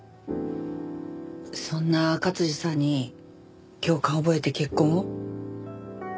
そんな勝治さんに共感を覚えて結婚を？